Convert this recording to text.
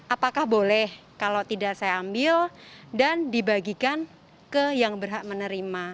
apakah boleh kalau tidak saya ambil dan dibagikan ke yang berhak menerima